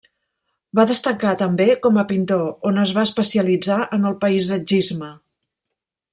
Va destacar també com a pintor, on es va especialitzar en el paisatgisme.